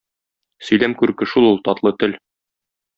Сөйләм күрке шул ул - татлы тел.